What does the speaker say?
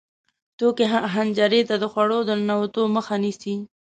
توکې حنجرې ته د خوړو د ننوتو مخه نیسي.